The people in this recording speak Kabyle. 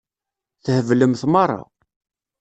Theblemt meṛṛa.